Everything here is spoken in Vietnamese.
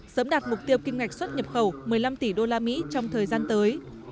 sớm đạt mục tiêu kim ngạch xuất nhập khẩu một mươi năm tỷ usd trong thời gian tới